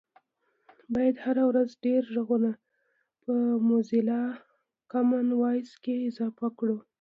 باید هره ورځ ډېر غږونه په موزیلا کامن وایس کې اضافه کړو